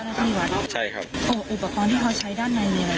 อุปกรณ์ที่เค้าใช้ด้านในมีอะไรด้าน